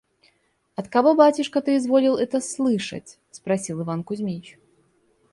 – «От кого, батюшка, ты изволил это слышать?» – спросил Иван Кузмич.